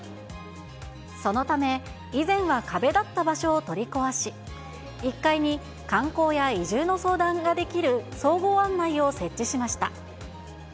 そのため、以前は壁だった場所を取り壊し、１階に観光や移住の相談ができる総合案内を設置しました。